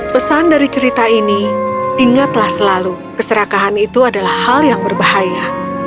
pesan dari cerita ini ingatlah selalu keserakahan itu adalah hal yang berbahaya